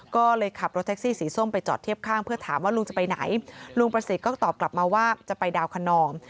ก็เลยขับรถแท็กซี่สีส้มไปจอดเทียบข้างเพื่อถามว่าลุงจะไปไหนลุงประสิทธิ์ก็ตอบกลับมาว่าจะไปดาวคนนอม